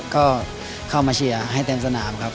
ก็เข้ามาเชียร์ให้เต็มสนามครับ